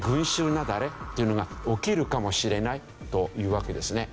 雪崩っていうのが起きるかもしれないというわけですね。